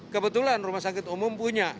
kebetulan rumah sakit umum punya